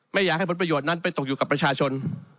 ไม่อยากให้ผลประโยชน์นั้นไปตกอยู่กับประชาชน